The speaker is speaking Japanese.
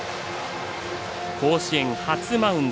甲子園、初マウンド。